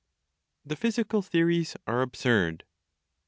THE PHYSICAL THEORIES ARE ABSURD.